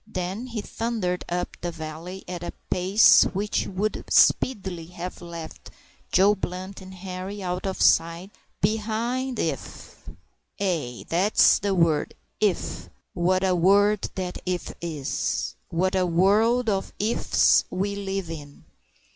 Then he thundered up the valley at a pace which would speedily have left Joe Blunt and Henri out of sight behind if ay! that's the word, if! What a word that if is! what a world of if's we live in!